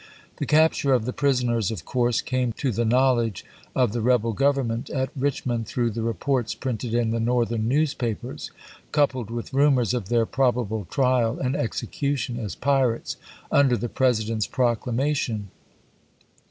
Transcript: The capture ot the prisoners oi •' Trial of ~^^ ^and^SeT com'sc Came to the knowledge of the rebel Govern Privateer mcut at Richmoud, through the reports printed in ^nah! ' the Northern newspapers, coupled with rumors of theu' probable trial and execution as pirates, under the President's proclamation.